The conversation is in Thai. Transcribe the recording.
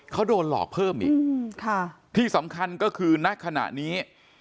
เขาโดนหลอกเพิ่มอีกค่ะที่สำคัญก็คือณขณะนี้